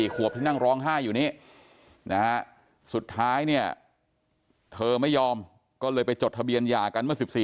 ๔ขวบที่นั่งร้องห้าอยู่นี้สุดท้ายเธอไม่ยอมก็เลยไปจดทะเบียนหญ้ากันเมื่อ